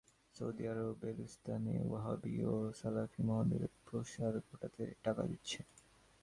Saudi আরব বেলুচিস্তানে ওয়াহাবি ও সালাফি মতবাদের প্রসার ঘটাতে টাকা দিচ্ছে।